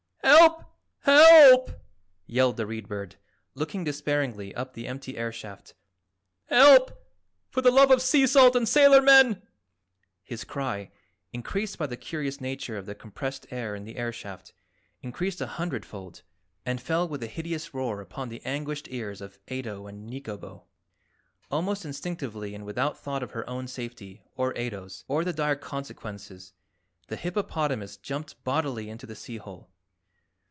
"Help! Help!" yelled the Read Bird, looking despairingly up the empty air shaft. "Help, for the love of sea salt and sailor men!" His cry, increased by the curious nature of the compressed air in the air shaft, increased a hundredfold and fell with a hideous roar upon the anguished ears of Ato and Nikobo. Almost instinctively and without thought of her own safety, or Ato's, or the dire consequences, the hippopotamus jumped bodily into the sea hole.